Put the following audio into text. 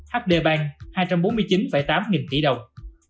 hd bank hai trăm bốn mươi chín tám nghìn tỷ đồng